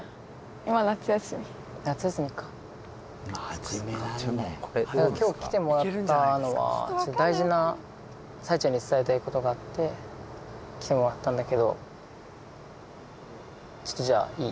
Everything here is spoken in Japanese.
今夏休み夏休みか今日来てもらったのは大事なさやちゃんに伝えたいことがあって来てもらったんだけどちょっとじゃあいい？